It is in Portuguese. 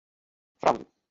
fraude